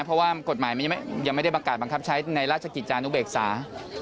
เพราะว่ากฎหมายมันยังไม่ได้ประกาศบังคับใช้ในราชกิจจานุเบกษา